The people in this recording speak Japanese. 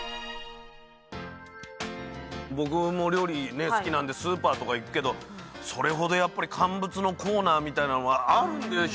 僕も料理好きなんでスーパーとか行くけどそれほどやっぱり乾物のコーナーみたいなのはあるんでしょうけど